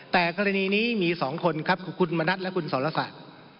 แต่ในกรณีนี้มี๒คนครับคุณมนตร์และคุณสรสาธ